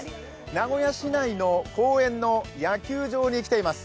名古屋市内の公園の野球場に来ています。